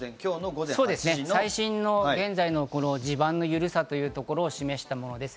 最新の現在の地盤の緩さというところを示したものです。